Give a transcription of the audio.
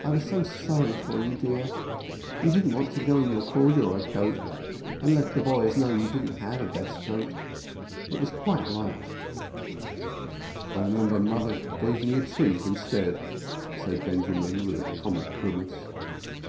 "I was so sorry for you, dear. You didn't want to go in your corduroy coat and let the boys know you didn't have a best coat. It was quite right, Benjy." "I remember mother gave me a treat instead," said Benjamin with a comic grimace.